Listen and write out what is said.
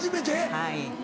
はい。